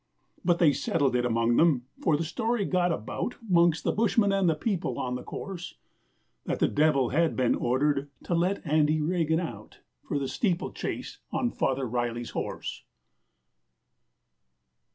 But they settled it among 'em, for the story got about, 'Mongst the bushmen and the people on the course, That the Devil had been ordered to let Andy Regan out For the steeplechase on Father Riley's horse!